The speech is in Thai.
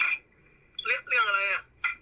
เรียกเรื่องอะไรอ่ะ